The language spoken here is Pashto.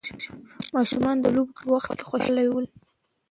ماشومان د لوبې په وخت خوشحاله ول.